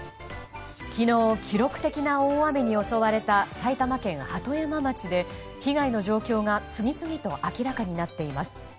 昨日、記録的な大雨に襲われた埼玉県鳩山町で被害の状況が次々と明らかになっています。